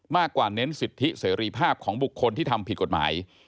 มากกว่าเน้นสิทธิเสรีภาพของบุคคลที่ทำผิดกฎหมาย